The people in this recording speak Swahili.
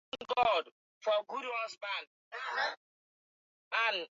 Mitume wa Yesu walizunguka awali hasa katika jumuiya za Wayahudi